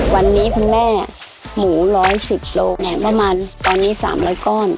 วันนี้คุณแม่หมู๑๑๐โลเนี่ยประมาณตอนนี้๓๐๐ก้อน